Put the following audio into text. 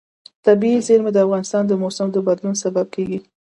طبیعي زیرمې د افغانستان د موسم د بدلون سبب کېږي.